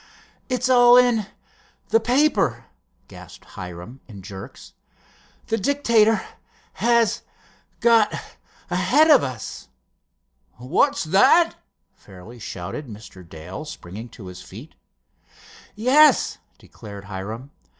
"It's all in—the paper," gasped Hiram in jerks. "The Dictator—has—got—ahead of us." "What's that!" fairly shouted Mr. Dale, springing to his feet. "Yes," declared Hiram.